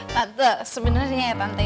tante sebenarnya ya tante